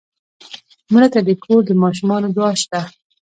مړه ته د کور د ماشومانو دعا شته